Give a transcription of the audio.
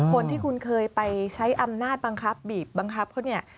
คนที่คุณเคยไปใช้อำนาจบังคับบีบบังคับเขาเนี่ย